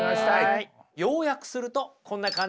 要約するとこんな感じです。